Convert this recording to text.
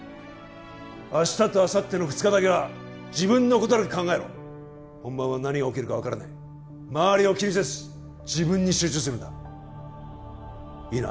明日とあさっての２日だけは自分のことだけ考えろ本番は何が起きるか分からない周りを気にせず自分に集中するんだいいな？